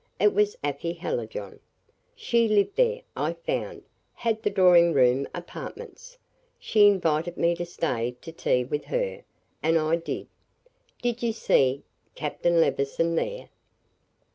It was Afy Hallijohn. She lived there, I found had the drawing room apartments. She invited me to stay to tea with her, and I did." "Did you see Captain Levison there?"